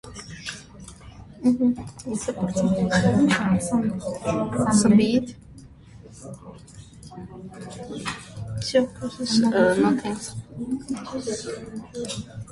Տեղական լեգենդի համաձայն՝ ձայնը ջրվեժի ջրերում խեղդված մարդկանց ողբն է։